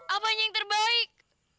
apanya yang terbaik